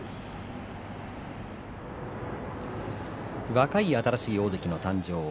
若い新しい大関の誕生。